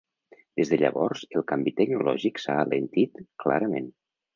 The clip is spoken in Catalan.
Des de llavors, el canvi tecnològic s'ha alentit clarament.